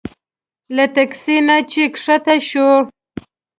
له تکسي نه چې ښکته شوو.